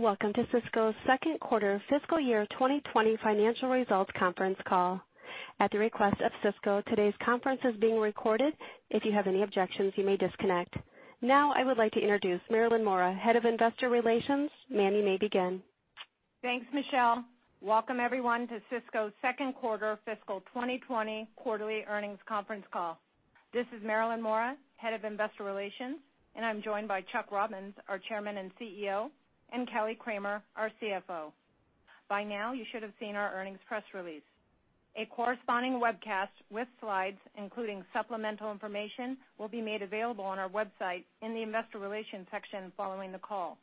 Welcome to Cisco's second quarter fiscal year 2020 financial results conference call. Now I would like to introduce Marilyn Mora, Head of Investor Relations. Ma'am, you may begin. Thanks, Michelle. Welcome everyone to Cisco's second quarter fiscal 2020 quarterly earnings conference call. This is Marilyn Mora, Head of Investor Relations, and I'm joined by Chuck Robbins, our Chairman and CEO, and Kelly Kramer, our CFO. By now, you should have seen our earnings press release. A corresponding webcast with slides, including supplemental information, will be made available on our website in the Investor Relations section following the call.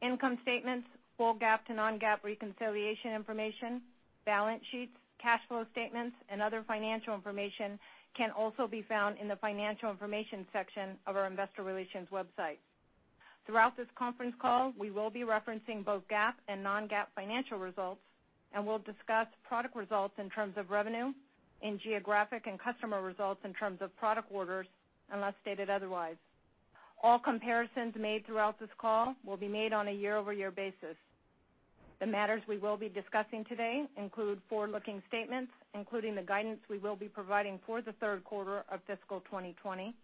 Income statements, full GAAP to non-GAAP reconciliation information, balance sheets, cash flow statements, and other financial information can also be found in the Financial Information section of our Investor Relations website. Throughout this conference call, we will be referencing both GAAP and non-GAAP financial results, and we'll discuss product results in terms of revenue and geographic and customer results in terms of product orders, unless stated otherwise. All comparisons made throughout this call will be made on a year-over-year basis. The matters we will be discussing today include forward-looking statements, including the guidance we will be providing for the third quarter of fiscal 2020.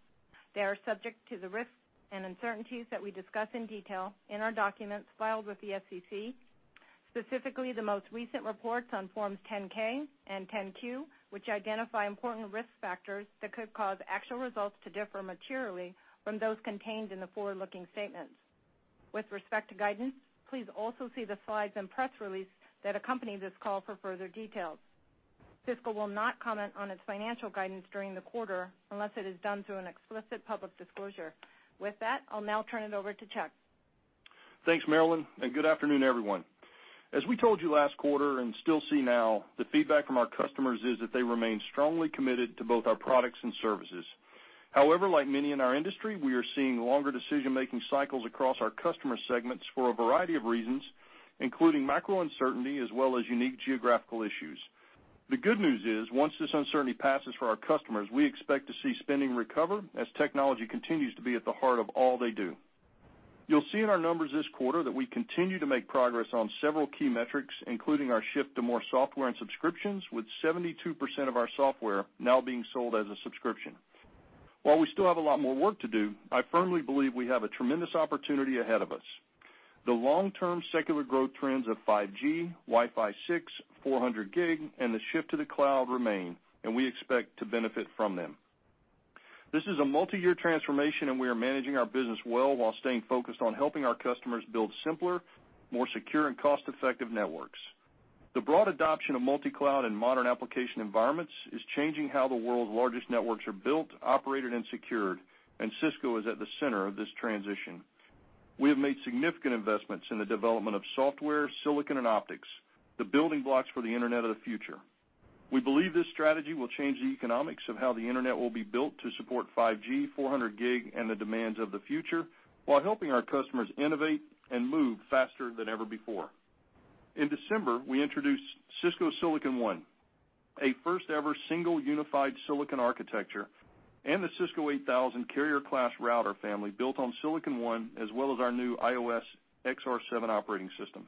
They are subject to the risks and uncertainties that we discuss in detail in our documents filed with the SEC, specifically the most recent reports on Forms 10-K and 10-Q, which identify important risk factors that could cause actual results to differ materially from those contained in the forward-looking statements. With respect to guidance, please also see the slides and press release that accompany this call for further details. Cisco will not comment on its financial guidance during the quarter unless it is done through an explicit public disclosure. With that, I'll now turn it over to Chuck. Thanks, Marilyn, and good afternoon, everyone. As we told you last quarter and still see now, the feedback from our customers is that they remain strongly committed to both our products and services. However, like many in our industry, we are seeing longer decision-making cycles across our customer segments for a variety of reasons, including macro uncertainty as well as unique geographical issues. The good news is, once this uncertainty passes for our customers, we expect to see spending recover as technology continues to be at the heart of all they do. You'll see in our numbers this quarter that we continue to make progress on several key metrics, including our shift to more software and subscriptions, with 72% of our software now being sold as a subscription. While we still have a lot more work to do, I firmly believe we have a tremendous opportunity ahead of us. The long-term secular growth trends of 5G, Wi-Fi 6, 400G, and the shift to the cloud remain, and we expect to benefit from them. This is a multiyear transformation, and we are managing our business well while staying focused on helping our customers build simpler, more secure and cost-effective networks. The broad adoption of multi-cloud and modern application environments is changing how the world's largest networks are built, operated and secured, and Cisco is at the center of this transition. We have made significant investments in the development of software, silicon and optics, the building blocks for the internet of the future. We believe this strategy will change the economics of how the internet will be built to support 5G, 400G and the demands of the future, while helping our customers innovate and move faster than ever before. In December, we introduced Cisco Silicon One, a first-ever single unified silicon architecture, and the Cisco 8000 carrier-class router family built on Silicon One, as well as our new IOS XR7 operating system.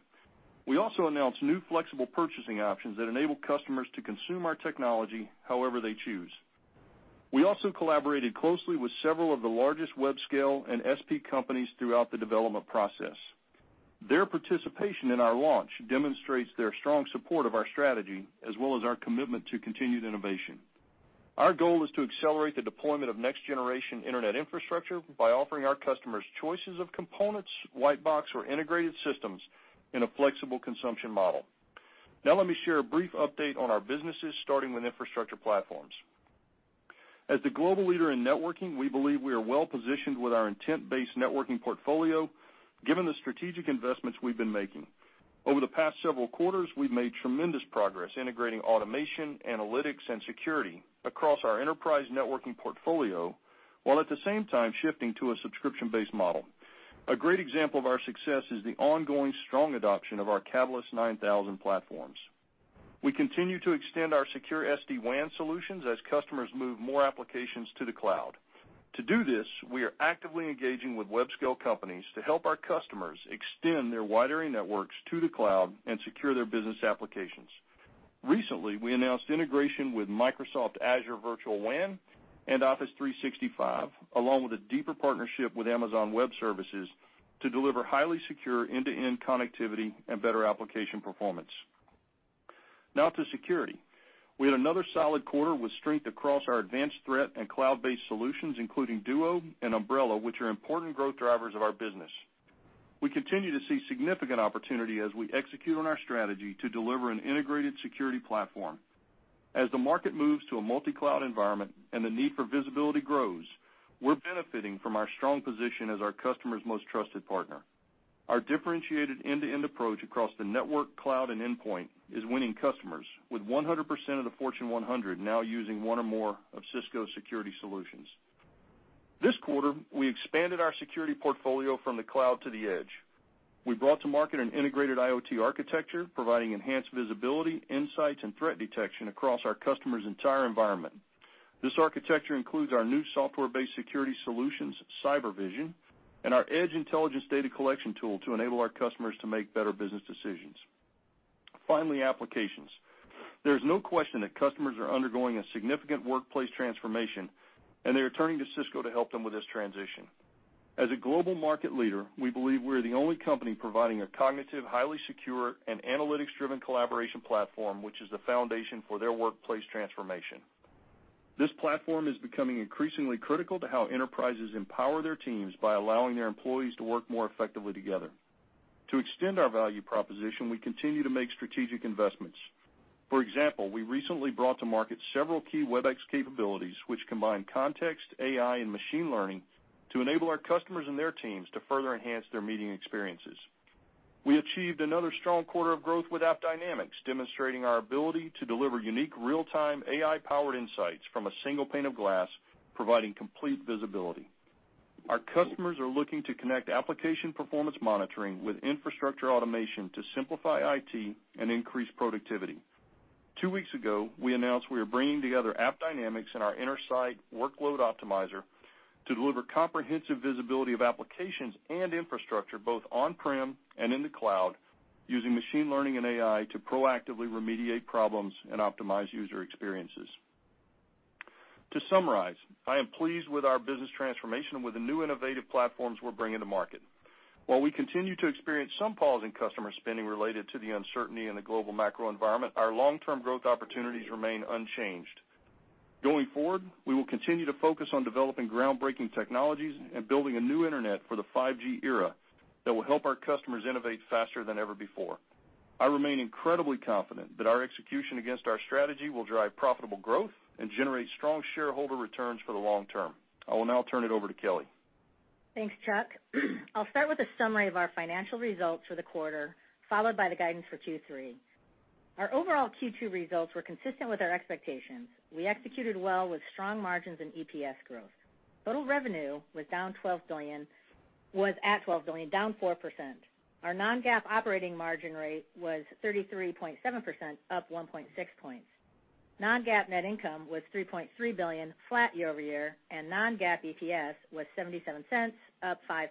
We also announced new flexible purchasing options that enable customers to consume our technology however they choose. We also collaborated closely with several of the largest web-scale and SP companies throughout the development process. Their participation in our launch demonstrates their strong support of our strategy as well as our commitment to continued innovation. Our goal is to accelerate the deployment of next-generation internet infrastructure by offering our customers choices of components, white-box or integrated systems, in a flexible consumption model. Let me share a brief update on our businesses, starting with infrastructure platforms. As the global leader in networking, we believe we are well-positioned with our intent-based networking portfolio, given the strategic investments we've been making. Over the past several quarters, we've made tremendous progress integrating automation, analytics, and security across our enterprise networking portfolio, while at the same time shifting to a subscription-based model. A great example of our success is the ongoing strong adoption of our Catalyst 9000 platforms. We continue to extend our secure SD-WAN solutions as customers move more applications to the cloud. To do this, we are actively engaging with web-scale companies to help our customers extend their wide area networks to the cloud and secure their business applications. Recently, we announced integration with Microsoft Azure Virtual WAN and Office 365, along with a deeper partnership with Amazon Web Services to deliver highly secure end-to-end connectivity and better application performance. Now to security. We had another solid quarter with strength across our advanced threat and cloud-based solutions, including Duo and Umbrella, which are important growth drivers of our business. We continue to see significant opportunity as we execute on our strategy to deliver an integrated security platform. As the market moves to a multi-cloud environment and the need for visibility grows, we're benefiting from our strong position as our customers' most trusted partner. Our differentiated end-to-end approach across the network, cloud, and endpoint is winning customers, with 100% of the Fortune 100 now using one or more of Cisco's security solutions. This quarter, we expanded our security portfolio from the cloud to the edge. We brought to market an integrated IoT architecture providing enhanced visibility, insights, and threat detection across our customers' entire environment. This architecture includes our new software-based security solutions, Cyber Vision, and our Edge Intelligence data collection tool to enable our customers to make better business decisions. Applications. There's no question that customers are undergoing a significant workplace transformation, and they're turning to Cisco to help them with this transition. As a global market leader, we believe we're the only company providing a cognitive, highly secure, and analytics-driven collaboration platform, which is the foundation for their workplace transformation. This platform is becoming increasingly critical to how enterprises empower their teams by allowing their employees to work more effectively together. To extend our value proposition, we continue to make strategic investments. For example, we recently brought to market several key Webex capabilities which combine context, AI, and machine learning to enable our customers and their teams to further enhance their meeting experiences. We achieved another strong quarter of growth with AppDynamics, demonstrating our ability to deliver unique, real-time AI-powered insights from a single pane of glass, providing complete visibility. Our customers are looking to connect application performance monitoring with infrastructure automation to simplify IT and increase productivity. Two weeks ago, we announced we are bringing together AppDynamics and our Intersight Workload Optimizer to deliver comprehensive visibility of applications and infrastructure, both on-prem and in the cloud, using machine learning and AI to proactively remediate problems and optimize user experiences. To summarize, I am pleased with our business transformation with the new innovative platforms we're bringing to market. While we continue to experience some pause in customer spending related to the uncertainty in the global macro environment, our long-term growth opportunities remain unchanged. Going forward, we will continue to focus on developing groundbreaking technologies and building a new internet for the 5G era that will help our customers innovate faster than ever before. I remain incredibly confident that our execution against our strategy will drive profitable growth and generate strong shareholder returns for the long term. I will now turn it over to Kelly. Thanks, Chuck. I'll start with a summary of our financial results for the quarter, followed by the guidance for Q3. Our overall Q2 results were consistent with our expectations. We executed well with strong margins and EPS growth. Total revenue was at $12 billion, down 4%. Our non-GAAP operating margin rate was 33.7%, up 1.6 points. Non-GAAP net income was $3.3 billion, flat year-over-year, and non-GAAP EPS was $0.77, up 5%.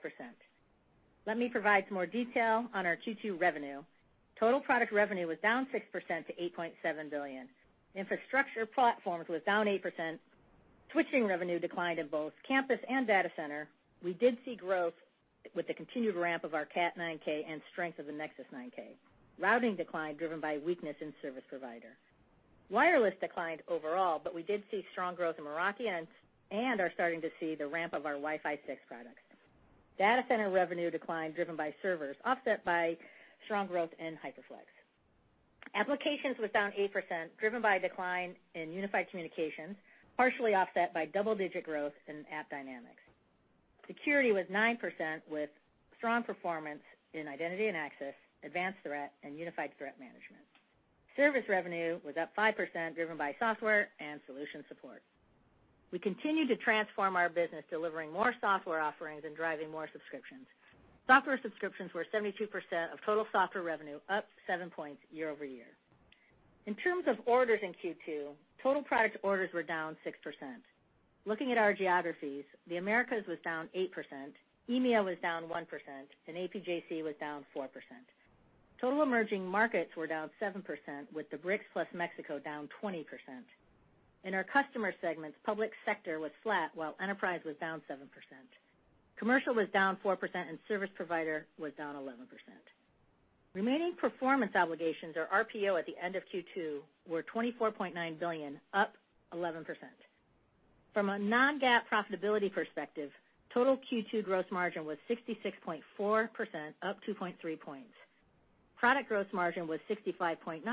Let me provide some more detail on our Q2 revenue. Total product revenue was down 6% to $8.7 billion. Infrastructure platforms was down 8%. Switching revenue declined in both campus and data center. We did see growth with the continued ramp of our Cat9K and strength of the Nexus 9K. Routing declined, driven by weakness in service provider. Wireless declined overall, we did see strong growth in Meraki and are starting to see the ramp of our Wi-Fi 6 products. Data center revenue declined, driven by servers, offset by strong growth in HyperFlex. Applications was down 8%, driven by a decline in unified communications, partially offset by double-digit growth in AppDynamics. Security was 9%, with strong performance in identity and access, advanced threat, and unified threat management. Service revenue was up 5%, driven by software and solution support. We continue to transform our business, delivering more software offerings and driving more subscriptions. Software subscriptions were 72% of total software revenue, up 7 points year-over-year. In terms of orders in Q2, total product orders were down 6%. Looking at our geographies, the Americas was down 8%, EMEA was down 1%, and APJC was down 4%. Total emerging markets were down 7%, with the BRICS plus Mexico down 20%. In our customer segments, public sector was flat, while enterprise was down 7%. Commercial was down 4%, and service provider was down 11%. Remaining performance obligations or RPO at the end of Q2 were $24.9 billion, up 11%. From a non-GAAP profitability perspective, total Q2 gross margin was 66.4%, up 2.3 points. Product gross margin was 65.9%,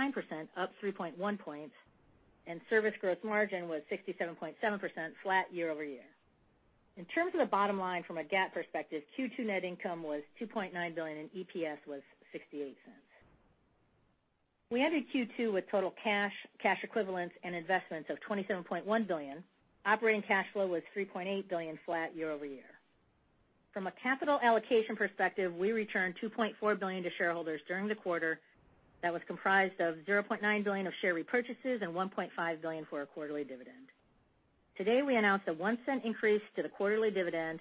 up 3.1 points, and service gross margin was 67.7%, flat year-over-year. In terms of the bottom line from a GAAP perspective, Q2 net income was $2.9 billion, and EPS was $0.68. We ended Q2 with total cash equivalents and investments of $27.1 billion. Operating cash flow was $3.8 billion, flat year-over-year. From a capital allocation perspective, we returned $2.4 billion to shareholders during the quarter. That was comprised of $0.9 billion of share repurchases and $1.5 billion for our quarterly dividend. Today, we announced a $0.01 increase to the quarterly dividend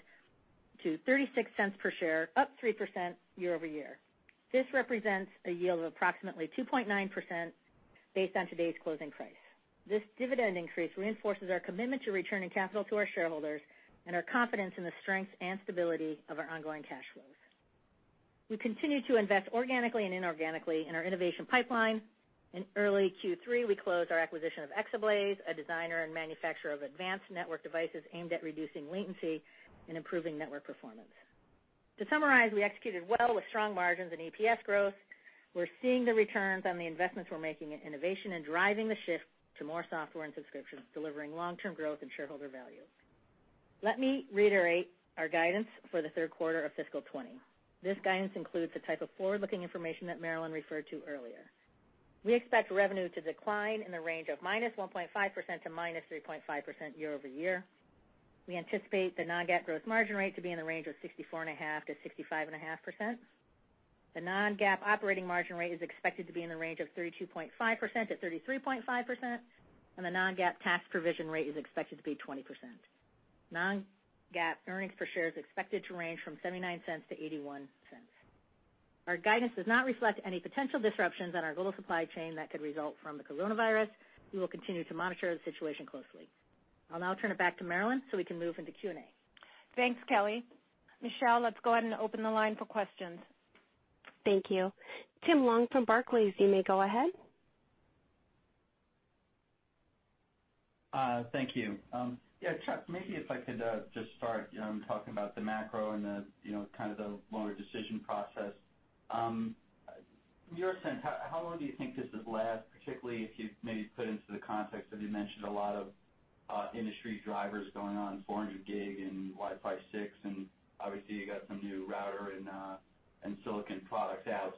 to $0.36 per share, up 3% year-over-year. This represents a yield of approximately 2.9% based on today's closing price. This dividend increase reinforces our commitment to returning capital to our shareholders and our confidence in the strength and stability of our ongoing cash flows. We continue to invest organically and inorganically in our innovation pipeline. In early Q3, we closed our acquisition of Exablaze, a designer and manufacturer of advanced network devices aimed at reducing latency and improving network performance. To summarize, we executed well with strong margins and EPS growth. We're seeing the returns on the investments we're making in innovation and driving the shift to more software and subscriptions, delivering long-term growth and shareholder value. Let me reiterate our guidance for the third quarter of fiscal 2020. This guidance includes the type of forward-looking information that Marilyn referred to earlier. We expect revenue to decline in the range of -1.5% to -3.5% year-over-year. We anticipate the non-GAAP gross margin rate to be in the range of 64.5%-65.5%. The non-GAAP operating margin rate is expected to be in the range of 32.5%-33.5%, and the non-GAAP tax provision rate is expected to be 20%. Non-GAAP earnings per share is expected to range from $0.79-$0.81. Our guidance does not reflect any potential disruptions on our global supply chain that could result from the coronavirus. We will continue to monitor the situation closely. I'll now turn it back to Marilyn, so we can move into Q&A. Thanks, Kelly. Michelle, let's go ahead and open the line for questions. Thank you. Tim Long from Barclays, you may go ahead. Thank you. Yeah, Chuck, maybe if I could just start talking about the macro and the, you know, kind of the lower decision process. From your sense, how long do you think this will last, particularly if you maybe put into the context that you mentioned a lot of industry drivers going on, 400 gig and Wi-Fi 6, and obviously, you got some new router and silicon products out.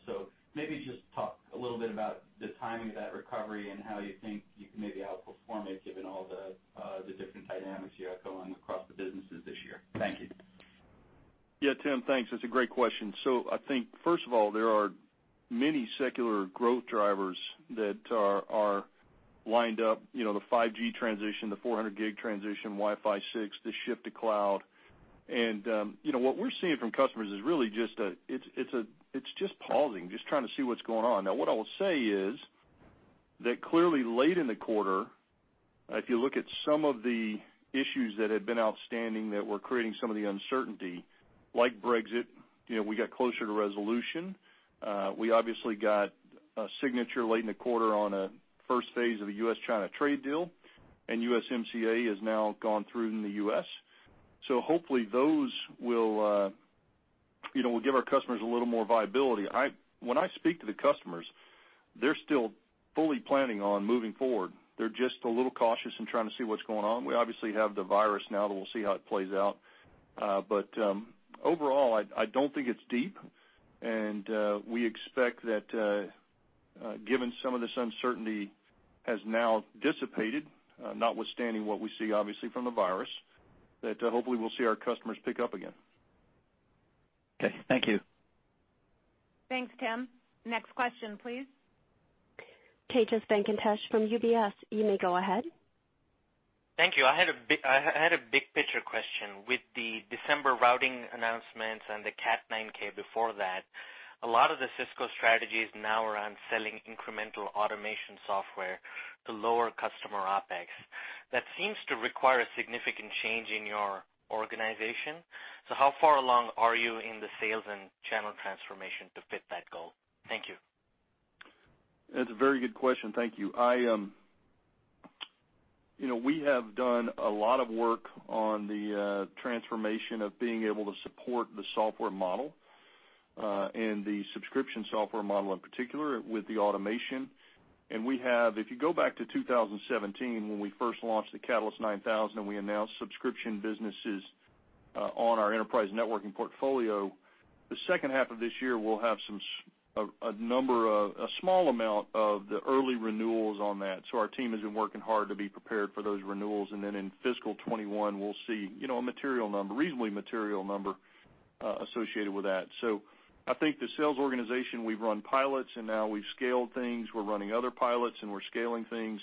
Maybe just talk a little bit about the timing of that recovery and how you think you can maybe outperform it, given all the different dynamics you have going across the businesses this year. Thank you. Yeah, Tim, thanks. That's a great question. I think, first of all, there are many secular growth drivers that are lined up, you know, the 5G transition, the 400G transition, Wi-Fi 6, the shift to cloud. You know, what we're seeing from customers is really just pausing, just trying to see what's going on. Now, what I will say is that clearly late in the quarter, if you look at some of the issues that had been outstanding that were creating some of the uncertainty, like Brexit, you know, we got closer to resolution. We obviously got a signature late in the quarter on a first phase of the US-China trade deal. USMCA has now gone through in the U.S. Hopefully, those will, you know, will give our customers a little more viability. When I speak to the customers, they're still fully planning on moving forward. They're just a little cautious and trying to see what's going on. We obviously have the virus now. We'll see how it plays out. Overall, I don't think it's deep. We expect that, given some of this uncertainty has now dissipated, notwithstanding what we see obviously from the virus, that hopefully we'll see our customers pick up again. Okay. Thank you. Thanks, Tim. Next question, please. [Tejas Venkatesh] from UBS, you may go ahead. Thank you. I had a big picture question. With the December routing announcements and the Cat9K before that, a lot of the Cisco strategy is now around selling incremental automation software to lower customer OpEx. That seems to require a significant change in your organization. How far along are you in the sales and channel transformation to fit that goal? Thank you. That's a very good question. Thank you. I, you know, we have done a lot of work on the transformation of being able to support the software model and the subscription software model, in particular, with the automation. If you go back to 2017, when we first launched the Catalyst 9000 and we announced subscription businesses on our enterprise networking portfolio, the second half of this year, we'll have a small amount of the early renewals on that. Our team has been working hard to be prepared for those renewals. In fiscal 2021, we'll see, you know, a material number, reasonably material number, associated with that. I think the sales organization, we've run pilots, and now we've scaled things. We're running other pilots, and we're scaling things.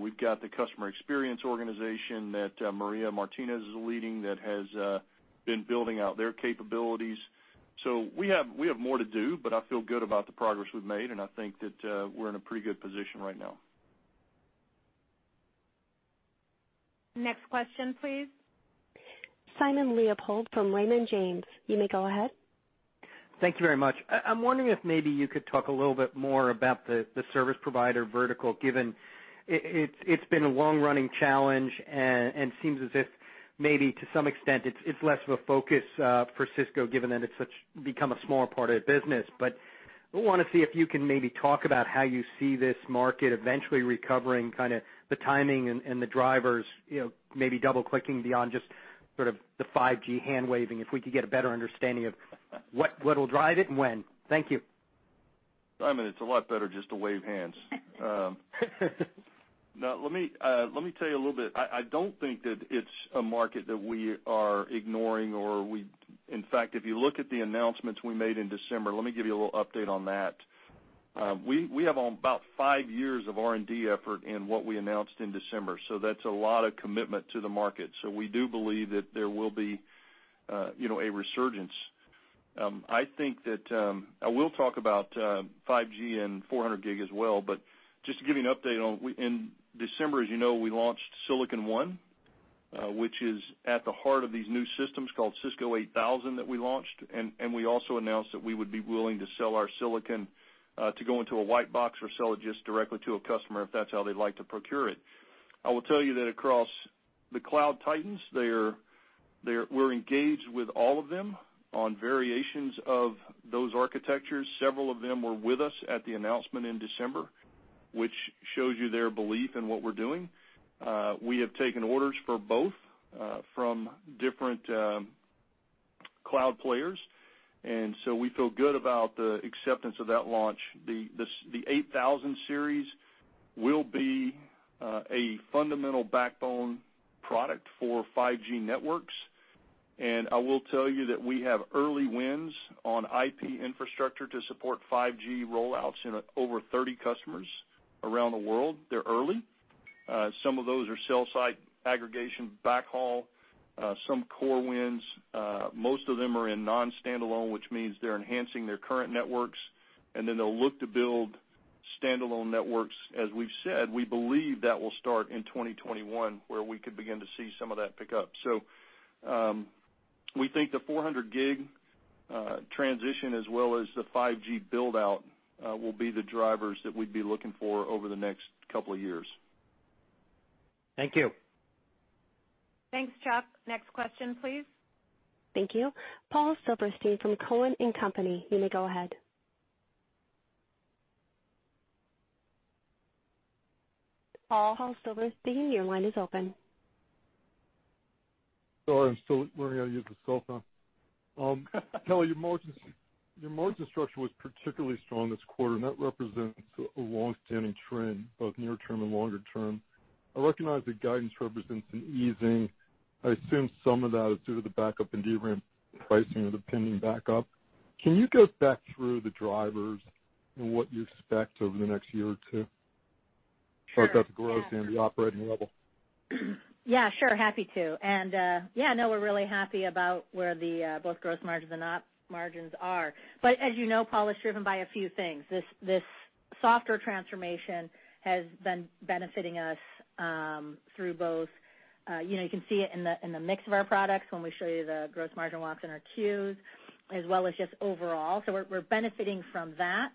We've got the customer experience organization that Maria Martinez is leading that has been building out their capabilities. We have, we have more to do, but I feel good about the progress we've made, and I think that we're in a pretty good position right now. Next question, please. Simon Leopold from Raymond James, you may go ahead. Thank you very much. I'm wondering if maybe you could talk a little bit more about the service provider vertical, given it's been a long-running challenge and seems as if maybe to some extent it's less of a focus for Cisco, given that it's become a smaller part of the business. I wanna see if you can maybe talk about how you see this market eventually recovering, kinda the timing and the drivers, you know, maybe double-clicking beyond just sort of the 5G hand-waving, if we could get a better understanding of what'll drive it and when. Thank you. Simon, it's a lot better just to wave hands. Let me tell you a little bit. I don't think that it's a market that we are ignoring, or, in fact, if you look at the announcements we made in December, let me give you a little update on that. We have about five years of R&D effort in what we announced in December, so that's a lot of commitment to the market. We do believe that there will be, you know, a resurgence. I think that I will talk about 5G and 400G as well, but just to give you an update on, in December, as you know, we launched Silicon One, which is at the heart of these new systems called Cisco 8000 that we launched. We also announced that we would be willing to sell our silicon to go into a white box or sell it just directly to a customer if that's how they'd like to procure it. I will tell you that across the cloud titans, we're engaged with all of them on variations of those architectures. Several of them were with us at the announcement in December, which shows you their belief in what we're doing. We have taken orders for both from different cloud players. We feel good about the acceptance of that launch. The Cisco 8000 series will be a fundamental backbone product for 5G networks. I will tell you that we have early wins on IP infrastructure to support 5G rollouts in over 30 customers around the world. They're early. Some of those are cell site aggregation backhaul, some core wins. Most of them are in non-standalone, which means they're enhancing their current networks, and then they'll look to build standalone networks. As we've said, we believe that will start in 2021, where we could begin to see some of that pick up. We think the 400G transition, as well as the 5G build-out, will be the drivers that we'd be looking for over the next couple of years. Thank you. Thanks, Chuck. Next question, please. Thank you. Paul Silverstein from Cowen and Company, you may go ahead. Paul Silverstein, your line is open. Sorry, I'm still learning how to use the cell phone. Kelly, your margins, your margin structure was particularly strong this quarter, and that represents a longstanding trend, both near term and longer-term. I recognize the guidance represents an easing. I assume some of that is due to the backup in DRAM pricing or the pending backup. Can you go back through the drivers and what you expect over the next year or two? Both at the growth and the operating level. Yeah, sure, happy to. We're really happy about where the both gross margins and op margins are. As you know, Paul, it's driven by a few things. This software transformation has been benefiting us, through both, you know, you can see it in the mix of our products when we show you the gross margin walks in our Qs, as well as just overall. We're benefiting from that.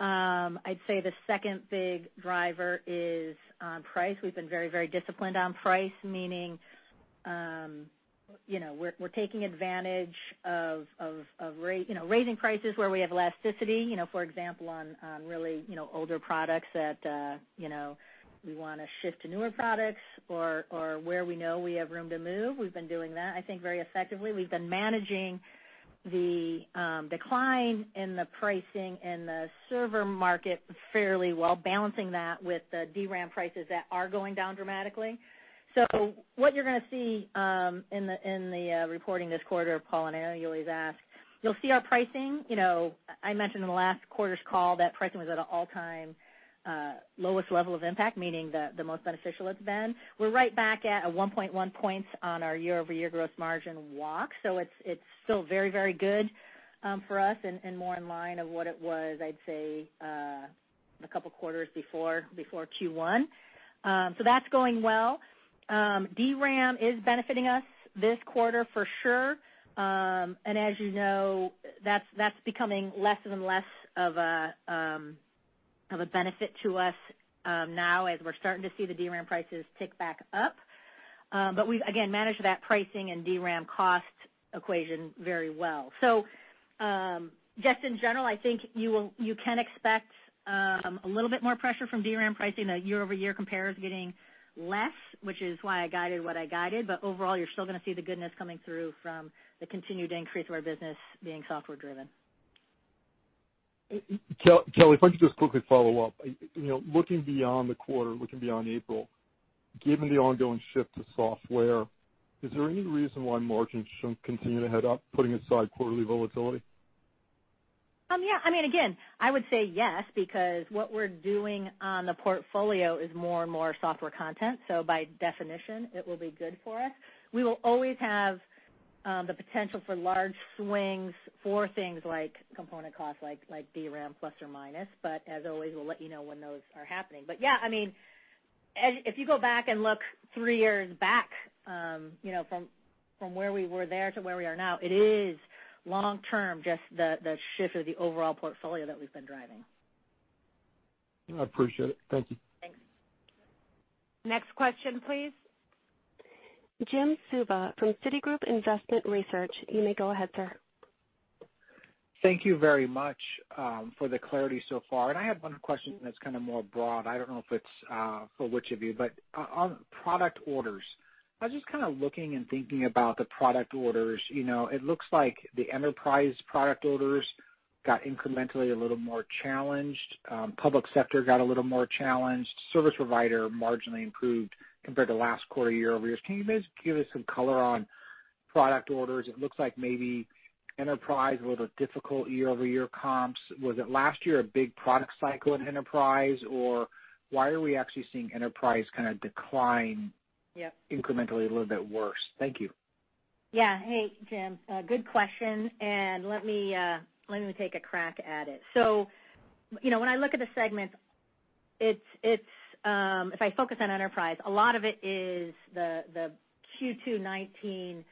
I'd say the second big driver is price. We've been very disciplined on price, meaning, you know, we're taking advantage of raising prices where we have elasticity, you know, for example, on really, you know, older products that, you know, we wanna shift to newer products or where we know we have room to move. We've been doing that, I think, very effectively. We've been managing the decline in the pricing in the server market fairly well, balancing that with the DRAM prices that are going down dramatically. What you're gonna see in the reporting this quarter, Paul, and I know you'll ask, you'll see our pricing. You know, I mentioned in the last quarter's call that pricing was at an all-time lowest level of impact, meaning the most beneficial it's been. We're right back at a 1.1 points on our year-over-year gross margin walk. It's still very, very good for us and more in line of what it was, I'd say, a couple of quarters before Q1. That's going well. DRAM is benefiting us this quarter for sure. As you know, that's becoming less and less of a benefit to us now as we're starting to see the DRAM prices tick back up. We've again managed that pricing and DRAM cost equation very well. Just in general, I think you can expect a little bit more pressure from DRAM pricing. The year-over-year compare is getting less, which is why I guided what I guided. Overall, you're still gonna see the goodness coming through from the continued increase of our business being software-driven. Kelly, if I could just quickly follow up. You know, looking beyond the quarter, looking beyond April, given the ongoing shift to software, is there any reason why margins shouldn't continue to head up, putting aside quarterly volatility? Yeah, again, I would say yes, because what we're doing on the portfolio is more and more software content, so by definition, it will be good for us. We will always have the potential for large swings for things like component costs, like DRAM plus or minus. As always, we'll let you know when those are happening. Yeah, Ed, if you go back and look three years back, from where we were there to where we are now, it is long-term, just the shift of the overall portfolio that we've been driving. I appreciate it. Thank you. Thanks. Next question, please. Jim Suva from Citigroup Investment Research. You may go ahead, sir. Thank you very much for the clarity so far. I have one question that's kind of more broad. I don't know if it's for which of you. On product orders, I was just kind of looking and thinking about the product orders. You know, it looks like the enterprise product orders got incrementally a little more challenged. Public sector got a little more challenged. Service provider marginally improved compared to last quarter year-over-year. Can you just give us some color on product orders? It looks like maybe enterprise, a little difficult year-over-year comps. Was it last year a big product cycle in enterprise? Why are we actually seeing enterprise kind of decline? Yep. Incrementally a little bit worse? Thank you. Yeah. Hey, Jim. Good question. Let me take a crack at it. You know, when I look at the segments, if I focus on enterprise, a lot of it is the Q2 2019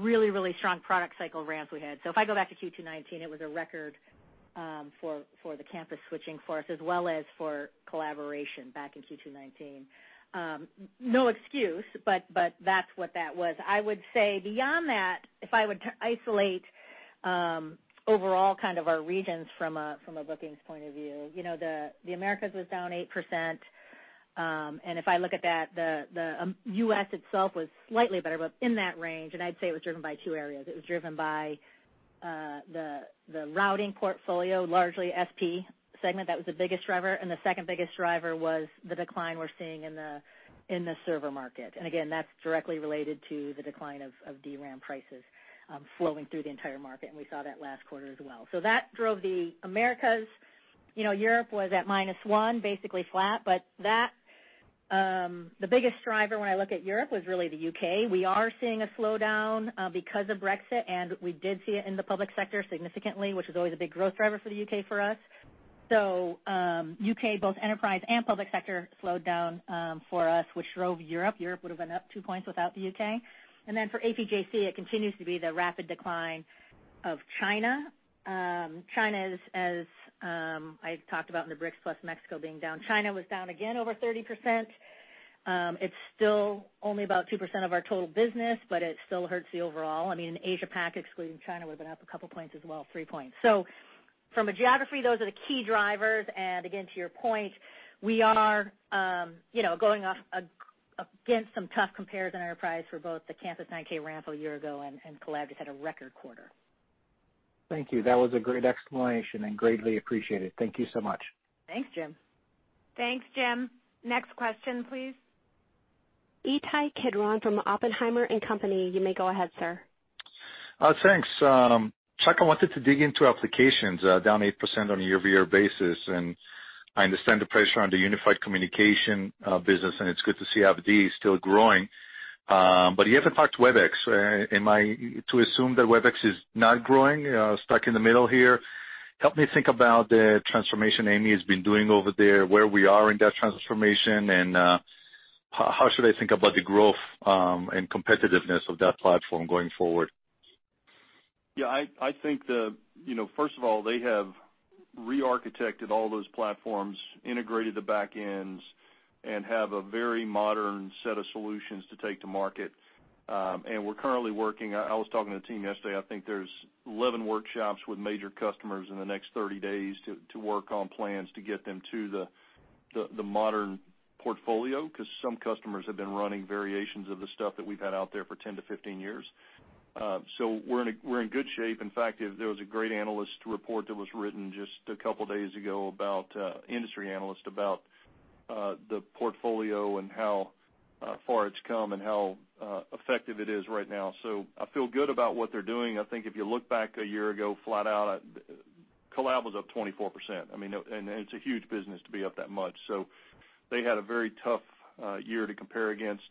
really, really strong product cycle ramps we had. If I go back to Q2 2019, it was a record for the campus switching for us as well as for collaboration back in Q2 2019. No excuse, but that's what that was. I would say beyond that, if I were to isolate overall kind of our regions from a bookings point of view, you know, the Americas was down 8%. If I look at that, the U.S. itself was slightly better, but in that range, and I'd say it was driven by two areas. It was driven by the routing portfolio, largely SP segment, that was the biggest driver. The second biggest driver was the decline we're seeing in the server market. Again, that's directly related to the decline of DRAM prices, flowing through the entire market, and we saw that last quarter as well. That drove the Americas. You know, Europe was at -1, basically flat. That, the biggest driver when I look at Europe was really the U.K. We are seeing a slowdown because of Brexit, and we did see it in the public sector significantly, which is always a big growth driver for the U.K. for us. U.K., both enterprise and public sector slowed down for us, which drove Europe. Europe would've been up 2 points without the U.K. For APJC, it continues to be the rapid decline of China. China is, as I talked about in the BRICS plus Mexico being down, China was down again over 30%. It's still only about 2% of our total business, but it still hurts the overall. I mean, Asia Pac, excluding China, would've been up 2 points as well, 3 points. From a geography, those are the key drivers. Again, to your point, we are, you know, going against some tough comparison enterprise for both the Catalyst 9000 ramp a year ago and Collab just had a record quarter. Thank you. That was a great explanation and greatly appreciated. Thank you so much. Thanks, Jim. Thanks, Jim. Next question, please. Ittai Kidron from Oppenheimer & Co. You may go ahead, sir. Thanks. Chuck, I wanted to dig into applications, down 8% on a year-over-year basis. I understand the pressure on the unified communication business, and it's good to see AppDynamics still growing. You haven't talked Webex. Am I to assume that Webex is not growing, stuck in the middle here? Help me think about the transformation Amy has been doing over there, where we are in that transformation, and how should I think about the growth and competitiveness of that platform going forward? You know, first of all, they have re-architected all those platforms, integrated the back ends, and have a very modern set of solutions to take to market. I was talking to the team yesterday. I think there's 11 workshops with major customers in the next 30 days to work on plans to get them to the modern portfolio, 'cause some customers have been running variations of the stuff that we've had out there for 10-15 years. We're in good shape. In fact, there was a great analyst report that was written just a couple days ago about industry analyst, about the portfolio and how far it's come and how effective it is right now. I feel good about what they're doing. I think if you look back a year ago, flat out, Collab was up 24%. I mean, it's a huge business to be up that much. They had a very tough year to compare against,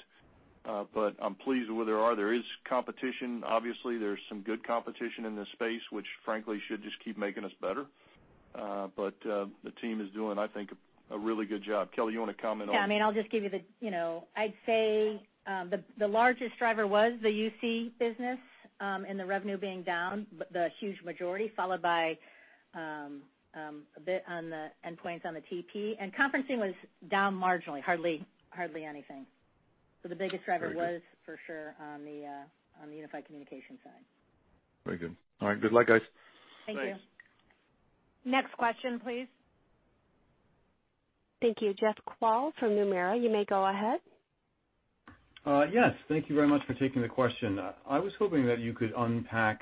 I'm pleased with where they are. There is competition, obviously. There's some good competition in this space, which frankly should just keep making us better. The team is doing, I think, a really good job. Kelly, you wanna comment on. Yeah, I mean, You know, I'd say, the largest driver was the UC business, and the revenue being down, but the huge majority followed by a bit on the endpoints on the TP. Conferencing was down marginally, hardly anything. The biggest driver was, for sure, on the unified communication side. Very good. All right. Good luck, guys. Thank you. Thanks. Next question, please. Thank you. Jeff Kvaal from Nomura, you may go ahead. Yes. Thank you very much for taking the question. I was hoping that you could unpack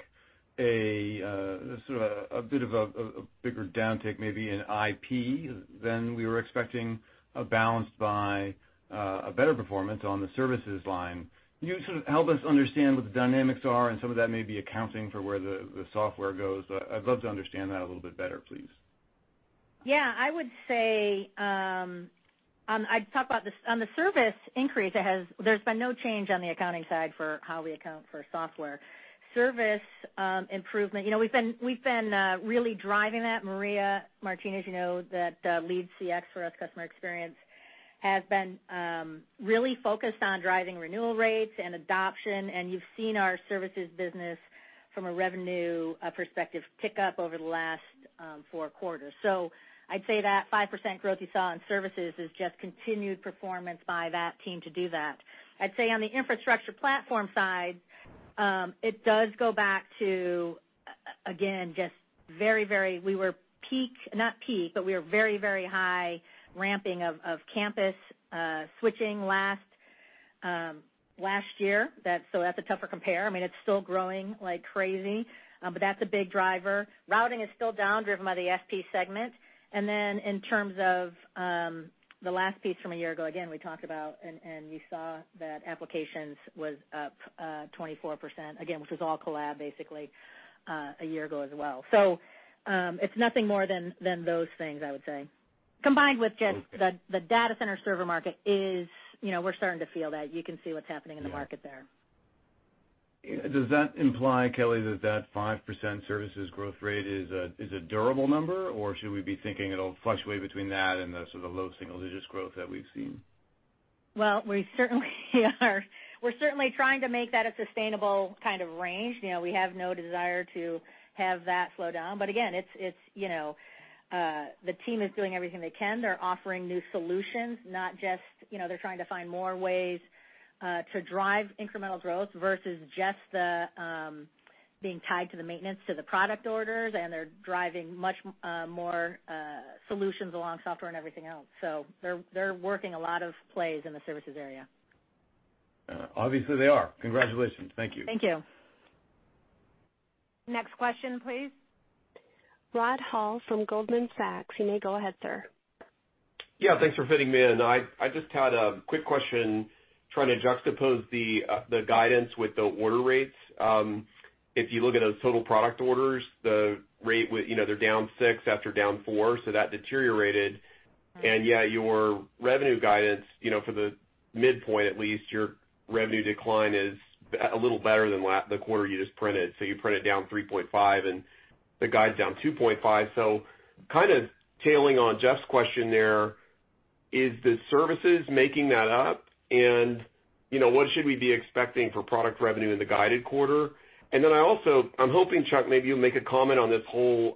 a bit of a bigger downtick, maybe in IP than we were expecting, balanced by a better performance on the services line. Can you sort of help us understand what the dynamics are, and some of that may be accounting for where the software goes? I'd love to understand that a little bit better, please. Yeah, I would say on the service increase there's been no change on the accounting side for how we account for software. Service improvement. You know, we've been really driving that. Maria Martinez, you know, that leads CX for us, customer experience, has been really focused on driving renewal rates and adoption, and you've seen our services business from a revenue perspective pick up over the last four quarters. I'd say that 5% growth you saw in services is just continued performance by that team to do that. I'd say on the infrastructure platform side, it does go back to, again, just very, very high ramping of campus switching last year. That's a tougher compare. I mean, it's still growing like crazy, but that's a big driver. Routing is still down, driven by the SP segment. Then in terms of the last piece from a year ago, again, we talked about, and you saw that applications was up 24%, again, which was all Collab basically, a year ago as well. It's nothing more than those things, I would say. Combined with just the data center server market is, you know, we're starting to feel that. You can see what's happening in the market there. Yeah. Does that imply, Kelly, that that 5% services growth rate is a, is a durable number, or should we be thinking it'll fluctuate between that and the sort of low single digits growth that we've seen? Well, we certainly are. We're certainly trying to make that a sustainable kind of range. You know, we have no desire to have that slow down. Again, it's, you know, the team is doing everything they can. They're offering new solutions, not just, you know, they're trying to find more ways to drive incremental growth versus just being tied to the maintenance to the product orders. They're driving much more solutions along software and everything else. They're working a lot of plays in the services area. Obviously, they are. Congratulations. Thank you. Thank you. Next question, please. Rod Hall from Goldman Sachs. You may go ahead, sir. Yeah, thanks for fitting me in. I just had a quick question, trying to juxtapose the guidance with the order rates. If you look at those total product orders, the rate with, you know, they're down 6 after down 4, so that deteriorated. Yet, your revenue guidance, you know, for the midpoint at least, your revenue decline is a little better than the quarter you just printed. You printed down 3.5, and the guide's down 2.5. Kind of tailing on Jeff's question there, is the services making that up? You know, what should we be expecting for product revenue in the guided quarter? Then I'm hoping, Chuck, maybe you'll make a comment on this whole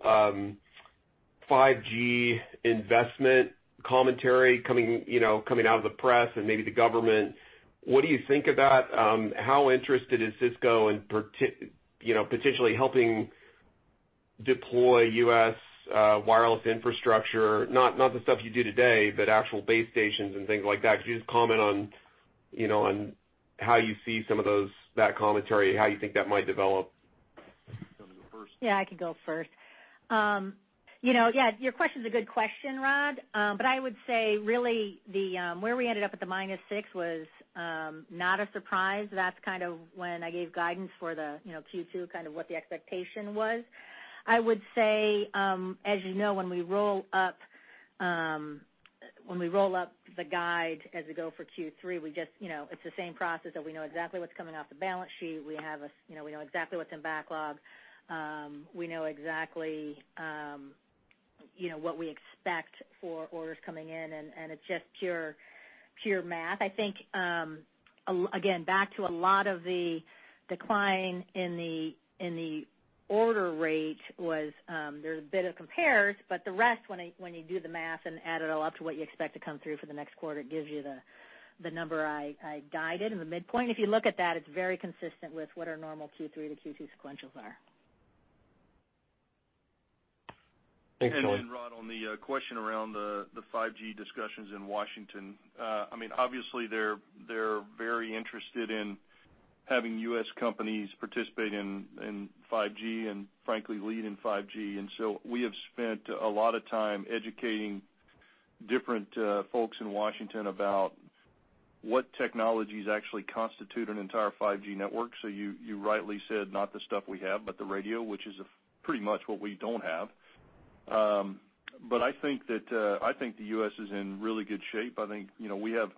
5G investment commentary coming, you know, coming out of the press and maybe the government. What do you think about how interested is Cisco in potentially helping deploy U.S. wireless infrastructure? Not the stuff you do today, but actual base stations and things like that. Could you just comment on, you know, on how you see some of those, that commentary, how you think that might develop? You wanna go first? Yeah, I can go first. You know, yeah, your question's a good question, Rod. I would say really the, where we ended up at the -6 was not a surprise. That's kind of when I gave guidance for the, you know, Q2, kind of what the expectation was. I would say, as you know, when we roll up the guide as we go for Q3, we just, you know, it's the same process that we know exactly what's coming off the balance sheet. We have a, you know, we know exactly what's in backlog. We know exactly, you know, what we expect for orders coming in, and it's just pure math. I think, again, back to a lot of the decline in the order rate was, there's a bit of compares, but the rest when I, when you do the math and add it all up to what you expect to come through for the next quarter, it gives you the number I guided in the midpoint. If you look at that, it's very consistent with what our normal Q3 to Q2 sequentials are. Thanks, Kelly. Rod, on the question around the 5G discussions in Washington, I mean, obviously, they're very interested in having U.S. companies participate in 5G and frankly lead in 5G. We have spent a lot of time educating different folks in Washington about what technologies actually constitute an entire 5G network. You rightly said not the stuff we have, but the radio, which is pretty much what we don't have. I think that I think the U.S. is in really good shape. I think, you know, we have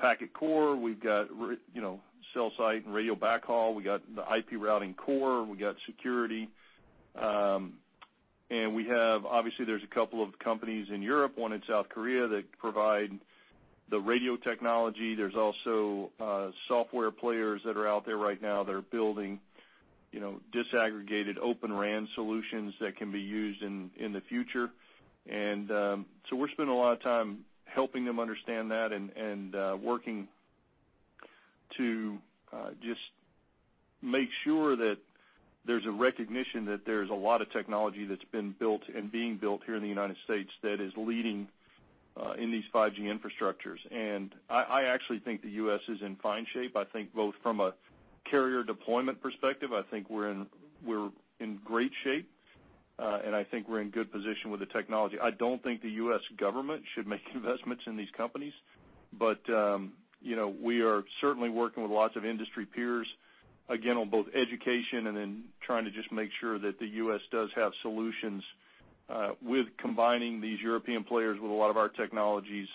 packet core. We've got you know, cell site and radio backhaul. We got the IP routing core. We got security. We have obviously, there's a couple of companies in Europe, one in South Korea that provide the radio technology. There's also software players that are out there right now that are building, you know, disaggregated open RAN solutions that can be used in the future. So we're spending a lot of time helping them understand that and working to just make sure that there's a recognition that there's a lot of technology that's been built and being built here in the U.S. that is leading in these 5G infrastructures. I actually think the U.S. is in fine shape. I think both from a carrier deployment perspective, I think we're in great shape. I think we're in good position with the technology. I don't think the U.S. government should make investments in these companies. You know, we are certainly working with lots of industry peers, again, on both education and in trying to just make sure that the U.S. does have solutions, with combining these European players with a lot of our technologies,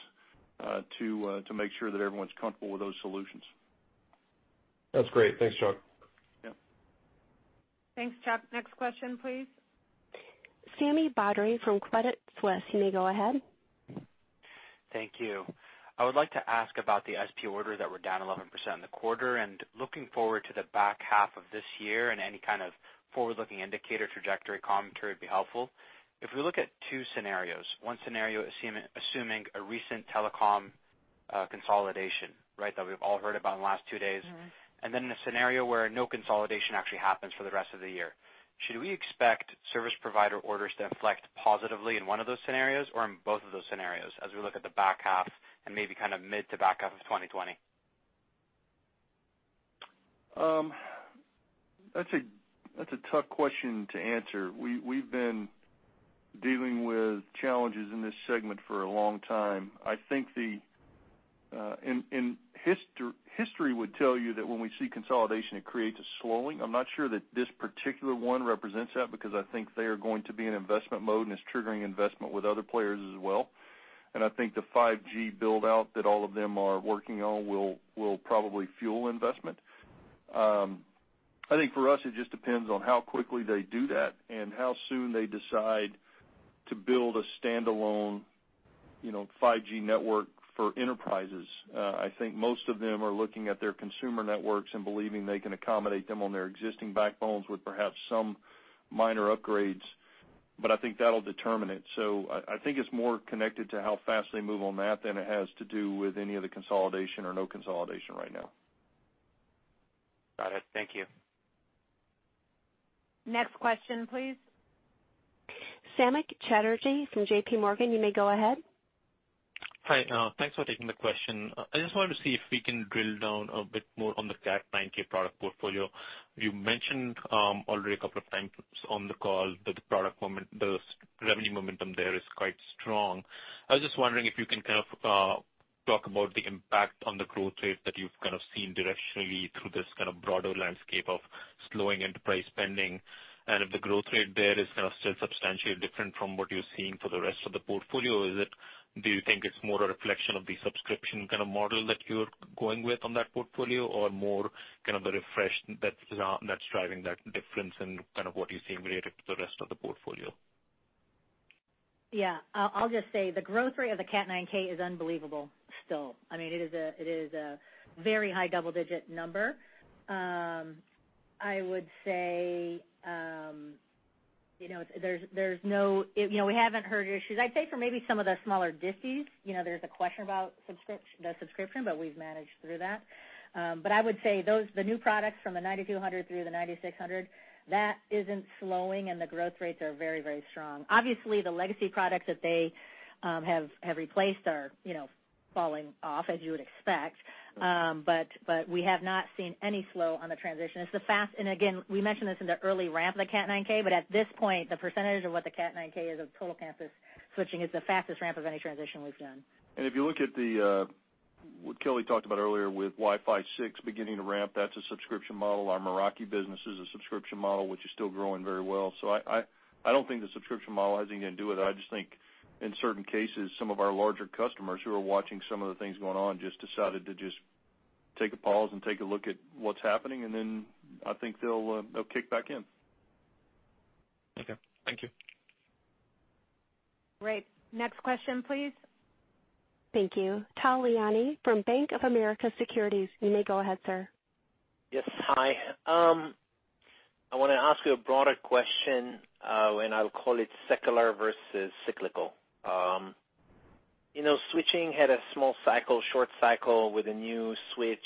to make sure that everyone's comfortable with those solutions. That's great. Thanks, Chuck. Yeah. Thanks, Chuck. Next question, please. Sami Badri from Credit Suisse. You may go ahead. Thank you. I would like to ask about the SP orders that were down 11% in the quarter, and looking forward to the back half of this year, and any kind of forward-looking indicator trajectory commentary would be helpful. If we look at two scenarios, one scenario assuming a recent telecom consolidation, right? That we've all heard about in the last two days. The scenario where no consolidation actually happens for the rest of the year. Should we expect service provider orders to inflect positively in one of those scenarios or in both of those scenarios as we look at the back half and maybe kind of mid to back half of 2020? That's a tough question to answer. We've been dealing with challenges in this segment for a long time. I think history would tell you that when we see consolidation, it creates a slowing. I'm not sure that this particular one represents that because I think they are going to be in investment mode, and it's triggering investment with other players as well. I think the 5G build-out that all of them are working on will probably fuel investment. I think for us, it just depends on how quickly they do that and how soon they decide to build a standalone, you know, 5G network for enterprises. I think most of them are looking at their consumer networks and believing they can accommodate them on their existing backbones with perhaps some minor upgrades. I think that'll determine it. I think it's more connected to how fast they move on that than it has to do with any of the consolidation or no consolidation right now. Got it. Thank you. Next question, please. Samik Chatterjee from JPMorgan, you may go ahead. Hi, thanks for taking the question. I just wanted to see if we can drill down a bit more on the Cat9K product portfolio. You mentioned already a couple of times on the call that the revenue momentum there is quite strong. I was just wondering if you can kind of talk about the impact on the growth rate that you've kind of seen directionally through this kind of broader landscape of slowing enterprise spending. If the growth rate there is kind of still substantially different from what you're seeing for the rest of the portfolio. Do you think it's more a reflection of the subscription kinda model that you're going with on that portfolio or more kind of the refresh that's driving that difference in kind of what you're seeing related to the rest of the portfolio? Yeah. I'll just say the growth rate of the Cat9K is unbelievable still. I mean, it is a very high double-digit number. I would say, you know, there's no, you know, we haven't heard issues. I'd say for maybe some of the smaller deals, you know, there's a question about the subscription, but we've managed through that. I would say those, the new products from the Catalyst 9200 through the Catalyst 9600, that isn't slowing, and the growth rates are very, very strong. Obviously, the legacy products that they have replaced are, you know, falling off as you would expect. We have not seen any slow on the transition. It's the fast. Again, we mentioned this in the early ramp of the Cat9K, but at this point, the percentage of what the Cat9K is of total campus switching is the fastest ramp of any transition we've done. If you look at what Kelly talked about earlier with Wi-Fi 6 beginning to ramp, that's a subscription model. Our Meraki business is a subscription model, which is still growing very well. I don't think the subscription model has anything to do with it. I just think in certain cases, some of our larger customers who are watching some of the things going on just decided to just take a pause and take a look at what's happening, and then I think they'll kick back in. Okay. Thank you. Great. Next question, please. Thank you. Tal Liani from Bank of America Securities. You may go ahead, sir. Yes. Hi. I wanna ask you a broader question. I'll call it secular versus cyclical. You know, switching had a small cycle, short cycle with a new switch.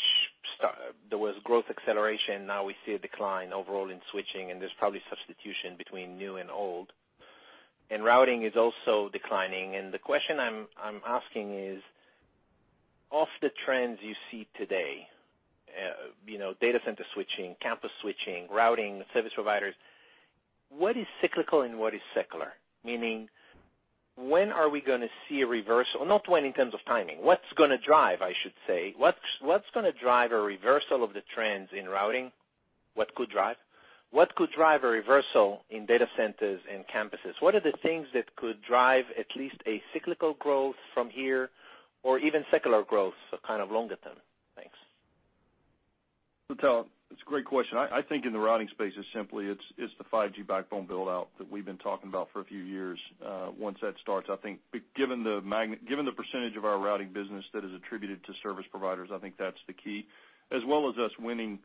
There was growth acceleration; now we see a decline overall in switching, there's probably substitution between new and old. Routing is also declining. The question I'm asking is: Of the trends you see today, you know, data center switching, campus switching, routing, service providers, what is cyclical and what is secular? Meaning, when are we gonna see a reversal? Not when in terms of timing. What's gonna drive, I should say. What's gonna drive a reversal of the trends in routing? What could drive? What could drive a reversal in data centers and campuses? What are the things that could drive at least a cyclical growth from here or even secular growth, so kind of longer term? Thanks. Tal, it's a great question. I think in the routing space, it's simply, it's the 5G backbone build-out that we've been talking about for a few years. Once that starts, I think given the magnitude, given the percentage of our routing business that is attributed to service providers, I think that's the key. As well as us winning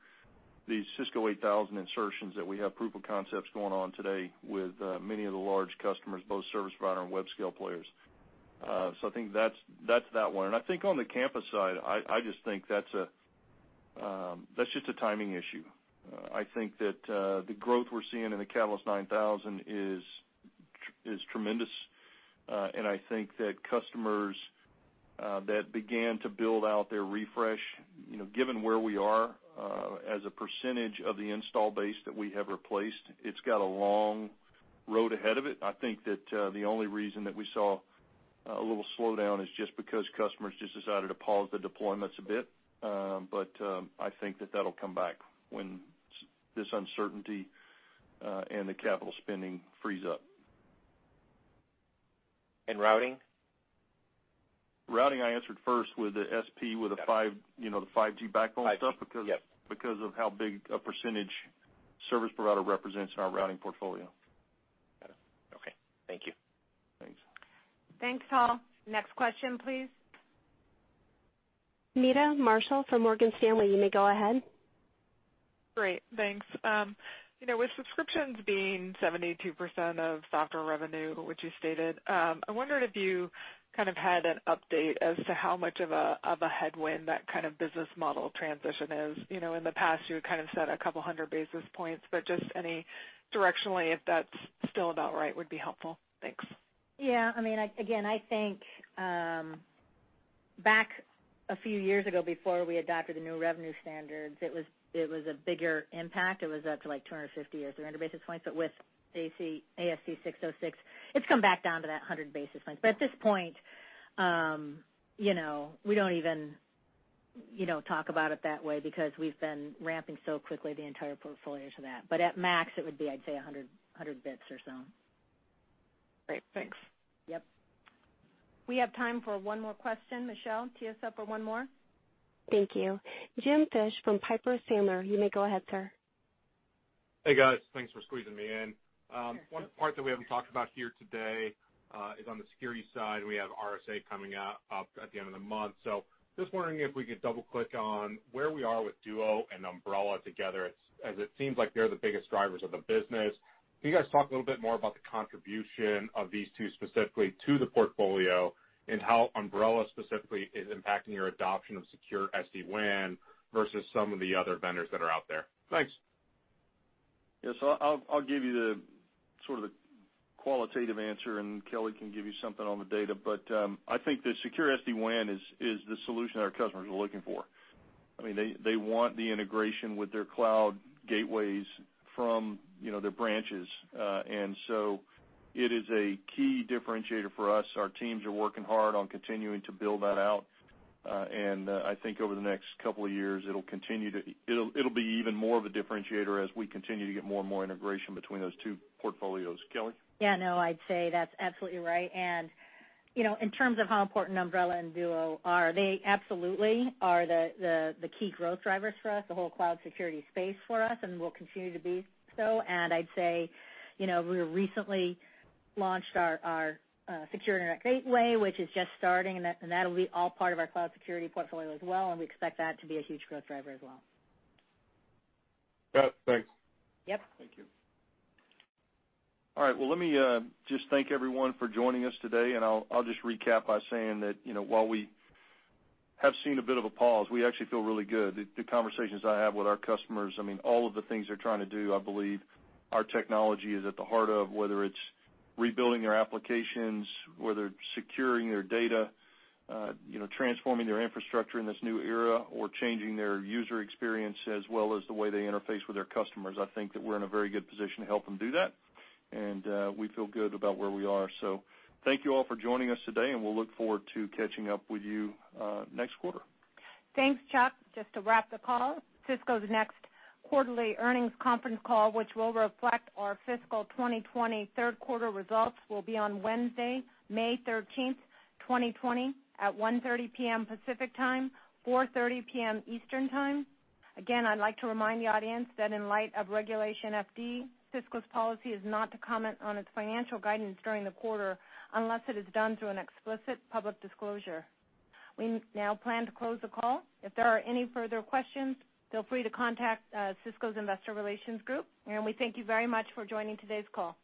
the Cisco 8000 insertions that we have proof of concepts going on today with many of the large customers, both service provider and web scale players. I think that's that one. I think on the campus side, I just think that's a timing issue. I think that the growth we're seeing in the Catalyst 9000 is tremendous. I think that customers that began to build out their refresh, you know, given where we are, as a percentage of the install base that we have replaced, it's got a long road ahead of it. I think that the only reason that we saw a little slowdown is just because customers just decided to pause the deployments a bit. I think that'll come back when this uncertainty and the capital spending frees up. Routing? Routing I answered first with the SP. Got it. You know, the 5G backbone stuff. 5G, yep. Because of how big a percentage service provider represents in our routing portfolio. Got it. Okay. Thank you. Thanks. Thanks, Tal. Next question, please. Meta Marshall from Morgan Stanley, you may go ahead. Great. Thanks. You know, with subscriptions being 72% of software revenue, which you stated, I wondered if you kind of had an update as to how much of a headwind that kind of business model transition is. You know, in the past, you had kind of said 200 basis points, but just any directionally, if that's still about right, would be helpful. Thanks. I mean, I, again, I think, back a few years ago, before we adopted the new revenue standards, it was a bigger impact. It was up to, like, 250 or 300 basis points. With ASC 606, it's come back down to that 100 basis points. At this point, you know, we don't even, you know, talk about it that way because we've been ramping so quickly the entire portfolio to that. At max, it would be, I'd say, 100 bps or so. Great. Thanks. Yep. We have time for one more question. Michelle, queue us up for one more. Thank you. James Fish from Piper Sandler. You may go ahead, sir. Hey, guys. Thanks for squeezing me in. One part that we haven't talked about here today is on the security side. We have RSA coming out at the end of the month. Just wondering if we could double-click on where we are with Duo and Umbrella together, as it seems like they're the biggest drivers of the business. Can you guys talk a little bit more about the contribution of these two specifically to the portfolio and how Umbrella specifically is impacting your adoption of secure SD-WAN versus some of the other vendors that are out there? Thanks. Yes, I'll give you the sort of qualitative answer, and Kelly can give you something on the data. I think the secure SD-WAN is the solution our customers are looking for. I mean, they want the integration with their cloud gateways from, you know, their branches. It is a key differentiator for us. Our teams are working hard on continuing to build that out. I think over the next couple of years, it'll continue to be even more of a differentiator as we continue to get more and more integration between those two portfolios. Kelly? Yeah, no, I'd say that's absolutely right. You know, in terms of how important Umbrella and Duo are, they absolutely are the key growth drivers for us, the whole cloud security space for us, and will continue to be so. I'd say, you know, we recently launched our Secure Internet Gateway, which is just starting, and that'll be all part of our cloud security portfolio as well, and we expect that to be a huge growth driver as well. Got it. Thanks. Yep. Thank you. All right, well, let me just thank everyone for joining us today, and I'll just recap by saying that, you know, while we have seen a bit of a pause, we actually feel really good. The conversations I have with our customers, I mean, all of the things they're trying to do, I believe our technology is at the heart of whether it's rebuilding their applications, whether securing their data, you know, transforming their infrastructure in this new era or changing their user experience as well as the way they interface with their customers. I think that we're in a very good position to help them do that, and we feel good about where we are. Thank you all for joining us today, and we'll look forward to catching up with you next quarter. Thanks, Chuck. Just to wrap the call, Cisco's next quarterly earnings conference call, which will reflect our fiscal 2020 third quarter results, will be on Wednesday, May 13th, 2020, at 1:30 P.M. Pacific Time, 4:30 P.M. Eastern Time. Again, I'd like to remind the audience that in light of Regulation FD, Cisco's policy is not to comment on its financial guidance during the quarter unless it is done through an explicit public disclosure. We now plan to close the call. If there are any further questions, feel free to contact Cisco's Investor Relations group. We thank you very much for joining today's call.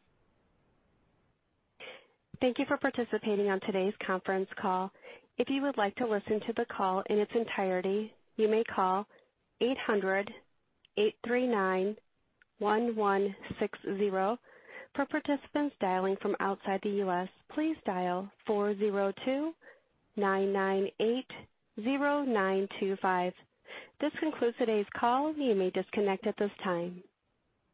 Thank you for participating on today's conference call. If you would like to listen to the call in its entirety, you may call 800-839-1160. For participants dialing from outside the U.S., please dial 402-998-0925. This concludes today's call. You may disconnect at this time.